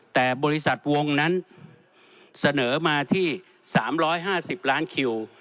แต่บริษัทวงนั้นเสนอมาที่๓๕๐ล้านคิว